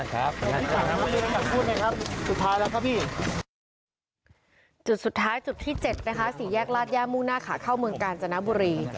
ส่วนสุดท้ายจุดที่๗นะคะศรีแยกราชยามุนาขเข้าเมืองกาลจนบุรี